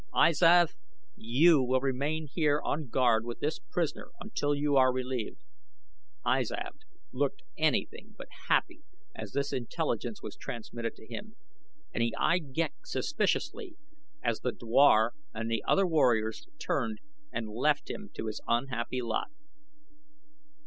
I Zav, you will remain here on guard with this prisoner until you are relieved." I Zav looked anything but happy as this intelligence was transmitted to him, and he eyed Ghek suspiciously as the dwar and the other warriors turned and left him to his unhappy lot.